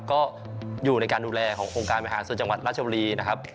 ก็อยู่ในการดูแลขององค์การบริหารส่วนจังหวัดราชบุรีนะครับ